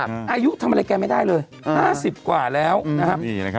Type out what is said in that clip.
แต่กับพี่หนึ่งดูอายุทำอะไรแกไม่ได้เลย๕๐กว่าแล้วนะครับ